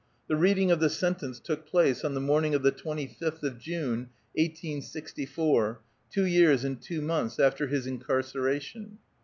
The reading of the sentence took place on the morning of the twenty fifth of June, 1864, two years and two months after his incarcera tion.